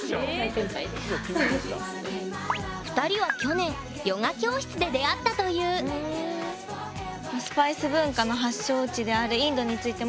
２人は去年ヨガ教室で出会ったというああなるほど。